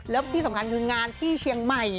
แล้วที่สำคัญคืองานที่เชียงใหม่